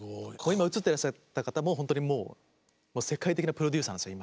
今映ってらっしゃった方も本当にもう世界的なプロデューサーなんですよ